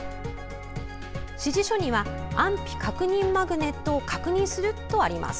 指示書には安否確認マグネットを確認するとあります。